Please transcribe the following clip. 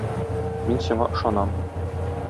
Мин сиңа ышанам.